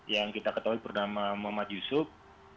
yang kita ketahui bernama muhammad yusuf